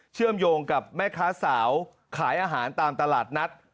เชื่อมโยงกับแม่ค้าสาวขายอาหารตามตลาดนัด